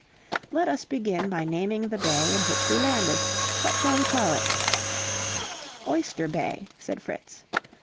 Let us begin by naming the bay in which we landed. What shall we call it?" "Oyster Bay," said Fritz.